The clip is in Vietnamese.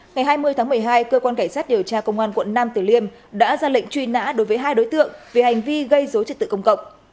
ngày hai mươi tháng một mươi hai cơ quan cảnh sát điều tra công an quận nam tử liêm đã ra lệnh truy nã đối với hai đối tượng về hành vi gây dấu chất tử công cậu